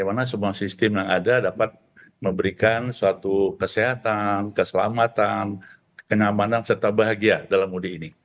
bagaimana semua sistem yang ada dapat memberikan suatu kesehatan keselamatan kenyamanan serta bahagia dalam mudik ini